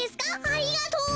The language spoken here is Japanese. ありがとう。